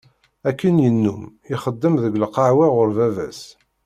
Akken yennum, ixeddem deg lqahwa ɣur baba-s.